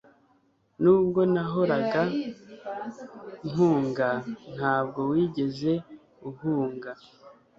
nubwo nahoraga mpunga, ntabwo wigeze uhunga